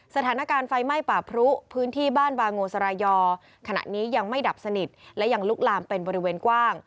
สถานการณ์ไฟไหม้ป่าพรุพื้นที่บ้านบางโงสรายอขณะนี้ยังไม่ดับสนิทและยังลุกลามเป็นบริเวณกว้าง